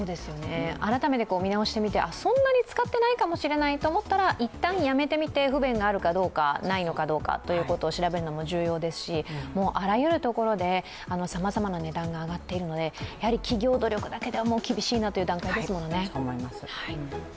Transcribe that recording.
改めて見直してみて、そんなに使ってないと思ったら一旦やめてみて、不便があるのかないのかどうかを調べるのも重要ですし、あらゆるところでさまざまな値段が上がっているのでやはり企業努力だけでは厳しい段階ですもんね。